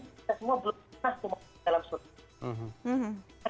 kita semua belum pernah masuk dalam surat